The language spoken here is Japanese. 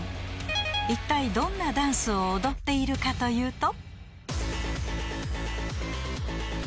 ［いったいどんなダンスを踊っているかというと］